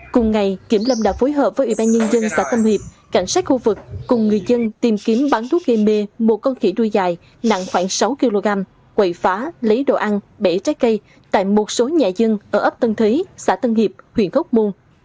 cùng ngày kiểm lâm đã phối hợp với ủy ban nhân dân xã tân hiệp cảnh sát khu vực cùng người dân tìm kiếm bắn thuốc gây mê một con khỉ đuôi dài nặng khoảng sáu kg quậy phá lấy đồ ăn bể trái cây tại một số nhà dân ở ấp tân thúy xã tân hiệp huyện khốc môn